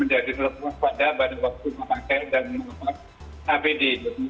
menjadi terutama pada pada waktu memakai dan menggunakan apd